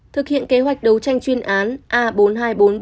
thực hiện kế hoạch đấu tranh chuyên án